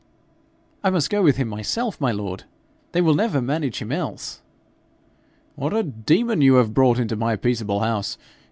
'I must go with him myself, my lord. They will never manage him else.' 'What a demon you have brought into my peaceable house!